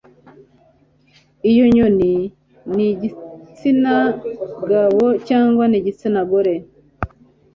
iyo nyoni ni igitsina gabo cyangwa igitsina gore